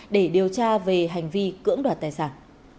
để điều tra về hành vi cưỡng đoạt tài sản